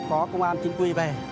có công an chính quy về